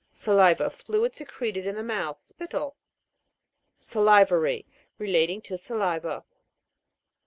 SALI'VA. Fluid secreted in the mouth : spittle. SA'LIVARY. Relating to saliva.